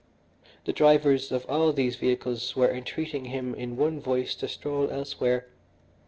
The drivers of all these vehicles were entreating him in one voice to stroll elsewhere.